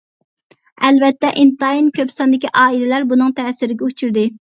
ئەلۋەتتە، ئىنتايىن كۆپ ساندىكى ئائىلىلەر بۇنىڭ تەسىرىگە ئۇچرىدى.